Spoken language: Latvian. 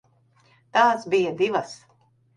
Tās bija divas.